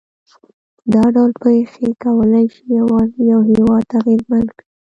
دا ډول پېښې کولای شي یوازې یو هېواد اغېزمن کړي.